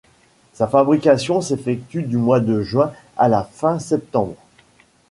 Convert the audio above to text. Sa fabrication s'effectue du mois de juin à la fin septembre.